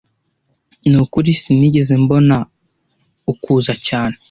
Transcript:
Nukuri sinigeze mbona ukuza cyane